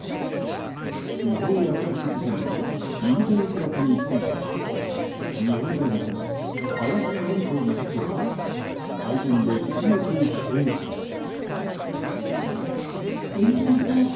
違法薬物事件の隠蔽疑惑について日本大学の林真理子理事長は会見で強く否定しました。